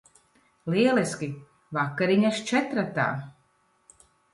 Lieliski. Vakariņas četratā.